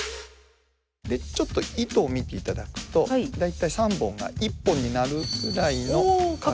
ちょっと糸を見ていただくと大体３本が１本になるぐらいの角度。